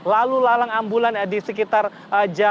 lalu lalang ambulan di sekitar jalan utama di jawa tenggara